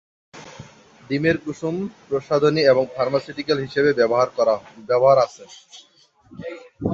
ডিমের কুসুম প্রসাধনী এবং ফার্মাসিউটিক্যাল হিসাবে ব্যবহার আছে।